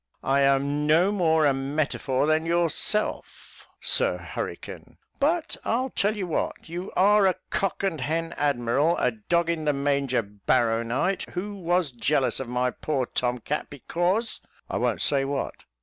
"I am no more a metafore than yourself, Sir Hurricane; but I'll tell you what, you are a cock and hen admiral, a dog in the manger barrownight, who was jealous of my poor tom cat, because , I won't say what.